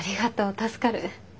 助かる。